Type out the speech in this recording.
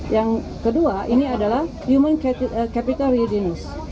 yang kedua ini adalah human capital readience